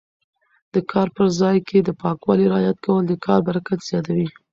د کار په ځای کې د پاکوالي رعایت کول د کار برکت زیاتوي.